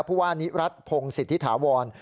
พวกว่านิรัติพงศ์สิทธิฐาวร